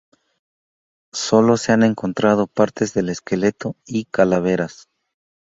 Solo se han encontrado partes del esqueleto y calaveras.